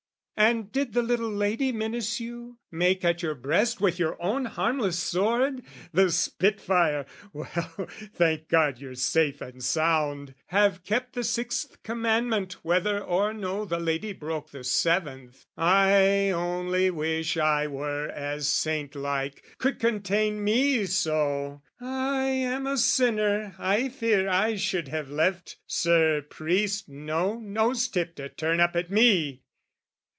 "And did the little lady menace you, "Make at your breast with your own harmless sword? "The spitfire! Well, thank God you're safe and sound, "Have kept the sixth commandment whether or no "The lady broke the seventh: I only wish "I were as saint like, could contain me so. "I am a sinner, I fear I should have left "Sir Priest no nose tip to turn up at me!"